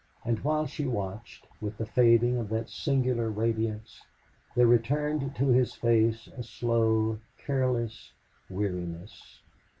And while she watched, with the fading of that singular radiance, there returned to his face a slow, careless weariness.